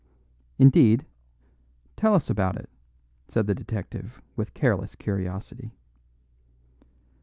"Indeed?" Tell us about it," said the detective with careless curiosity.